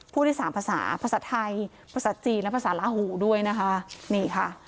ได้สามภาษาภาษาไทยภาษาจีนและภาษาลาหูด้วยนะคะนี่ค่ะ